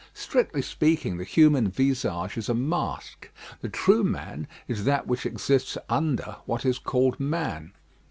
Strictly speaking, the human visage is a mask. The true man is that which exists under what is called man.